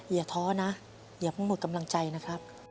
อย่าท้อนะอย่าเพิ่งหมดกำลังใจนะครับ